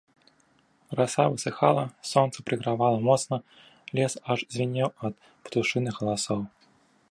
Раса высыхала, сонца прыгравала моцна, лес аж звінеў ад птушыных галасоў.